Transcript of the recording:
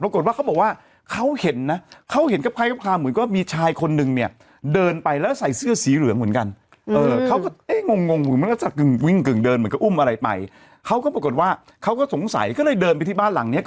แล้วเขาบอกว่าเขาเห็นนะเขาเห็นคนมีชายคนเนี่ยเดินไปแล้วใส่เสื้อสีเหลืองเหมือนกัน